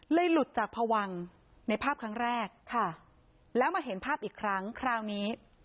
หลุดจากพวังในภาพครั้งแรกค่ะแล้วมาเห็นภาพอีกครั้งคราวนี้